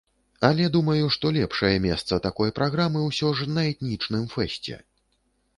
Але думаю, што лепшае месца такой праграмы ўсё ж на этнічным фэсце.